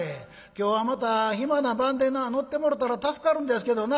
今日はまた暇な晩でな乗ってもろたら助かるんですけどな」。